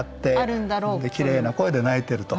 きれいな声で鳴いてると。